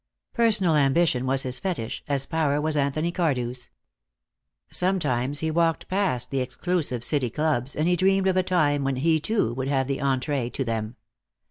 Personal ambition was his fetish, as power was Anthony Cardew's. Sometimes he walked past the exclusive city clubs, and he dreamed of a time when he, too, would have the entree to them.